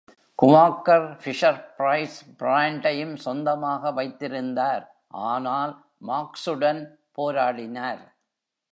Quaker Fisher-price பிராண்டையும் சொந்தமாக வைத்திருந்தார், ஆனால் மார்க்சுடன் போராடினார்.